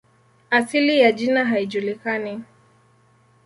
Asili ya jina haijulikani.